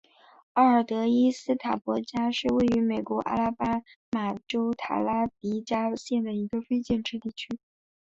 奥尔德伊斯塔博加是位于美国阿拉巴马州塔拉迪加县的一个非建制地区。